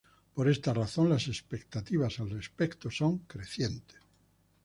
Por esa razón, las expectativas al respecto son crecientes.